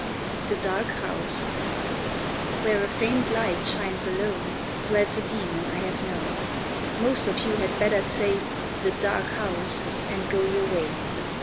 The Dark House Where a faint light shines alone, Dwells a Demon I have known. Most of you had better say "The Dark House", and go your way.